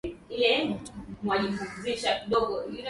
Batu ya zambia abayuwaki swahili